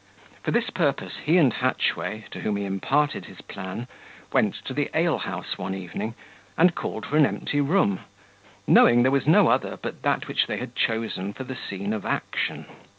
For this purpose he and Hatchway, to whom he imparted his plan, went to the ale house one evening, and called for an empty room, knowing there was no other but that which they had chosen for the scene of action.